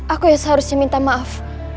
aku ya seharusnya minta maaf